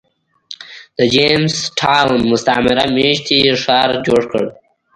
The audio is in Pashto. د جېمز ټاون مستعمره مېشتی ښار جوړ کړ.